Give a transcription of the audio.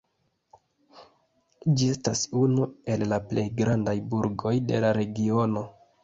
Ĝi estas unu el la plej grandaj burgoj de la regiono.